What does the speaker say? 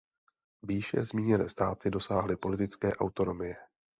Výše zmíněné státy dosáhly politické autonomie.